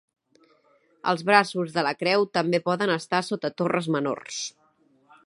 Els braços de la creu també poden estar sota torres menors.